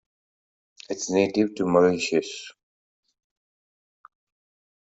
It is native to Mauritius.